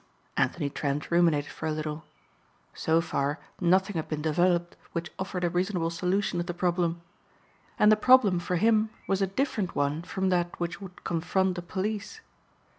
Anthony Trent ruminated for a little. So far nothing had been developed which offered a reasonable solution of the problem. And the problem for him was a different one from that which would confront the police.